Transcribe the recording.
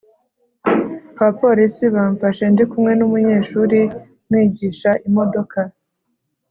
abapolisi bamfashe ndi kumwe n’umunyeshuri mwigisha imodoka